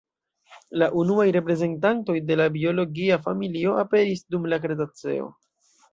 La unuaj reprezentantoj de la biologia familio aperis dum la kretaceo.